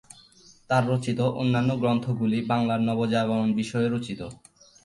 তার রচিত অন্যান্য গ্রন্থগুলি বাংলার নবজাগরণ বিষয়ে রচিত।